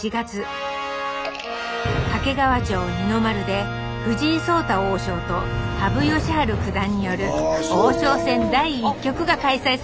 掛川城二の丸で藤井聡太王将と羽生善治九段による王将戦第１局が開催されました。